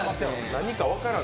何か分からん。